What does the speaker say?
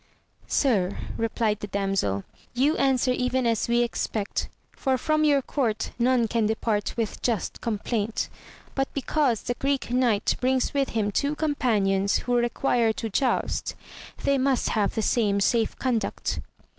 Sir, replied the damsel, you answer even as we expect, for from your court none can depart with just complaint, but because the Greek Knight brings with him two companions, who require to joust, they must have the same safe conduct.